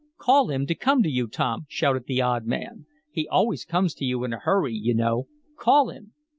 "Call him to come to you, Tom!" shouted the odd man. "He always comes to you in a hurry, you know. Call him!"